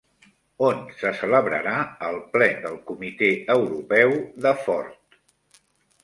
On se celebrarà el ple del comitè europeu de Ford?